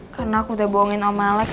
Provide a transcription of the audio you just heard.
karena aku udah bohongin om alex